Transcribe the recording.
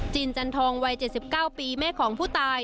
จันทองวัย๗๙ปีแม่ของผู้ตาย